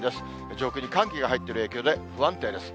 上空に寒気が入っている影響で不安定です。